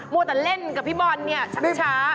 วัวแต่เล่นกับพี่บอลเนี่ยช้า